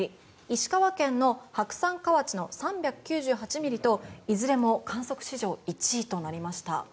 石川県の白山河内の３９８ミリといずれも観測史上１位となりました。